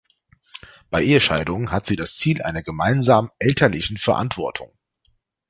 Bei Ehescheidungen hat sie das Ziel einer gemeinsamen elterlichen Verantwortung.